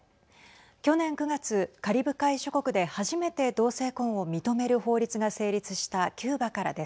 去年９月カリブ海諸国で初めて同性婚を認める法律が成立したキューバからです。